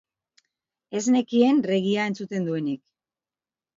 Ez nekien reggaea entzuten duenik.